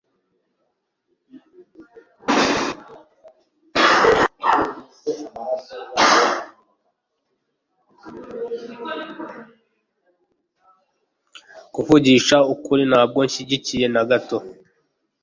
Kuvugisha ukuri, ntabwo nshyigikiye na gato.